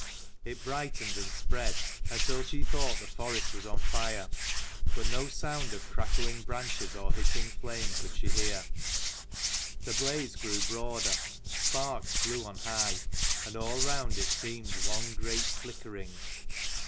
It brightened and spread, until she thought the forest was on fire. But no sound of crackling branches or hissing flame could she hear. The blaze grew broader : sparks flew on high, and all round 'it seemed one great flickering.